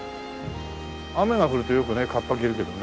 雨が降るとよくねカッパ着るけどね。